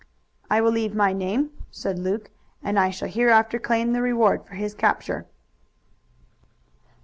"I will leave my name," said Luke, "and I shall hereafter claim the reward for his capture."